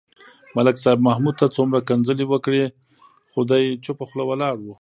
ملک صاحب محمود ته څومره کنځلې وکړې. خو دی چوپه خوله ولاړ و.